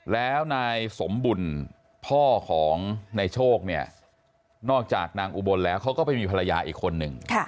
แล้วนายสมบุญพ่อของนายโชคเนี่ยนอกจากนางอุบลแล้วเขาก็ไปมีภรรยาอีกคนนึง